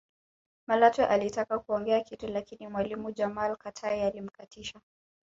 Malatwe alitaka kuongea kitu lakini mwalimu Jamal Katai alimkatisha